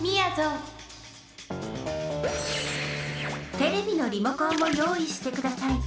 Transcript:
テレビのリモコンをよういしてください。